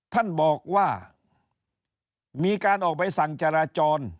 ท่านบอกว่ามีการออกใบสั่งจราจร